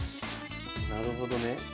なるほどね。